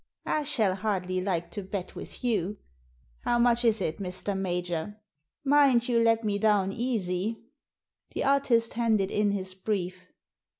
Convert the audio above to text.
I shall hardly like to bet with you. How much is it, Mr. Major? Mind you let me down easy." The artist handed in his " brief."